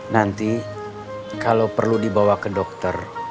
nanti kalau perlu dibawa ke dokter